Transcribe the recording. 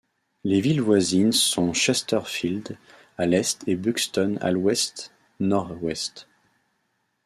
Les villes voisines sont Chesterfield à l'est et Buxton à l'ouest-nord-ouest.